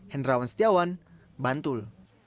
hendrawan setiawan bantul